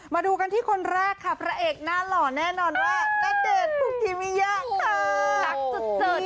มาดูกันที่คนแรกค่ะนั่นเหล่าแน่นอนว่านาเดชด์ภุ่งทีมิยะค่ะ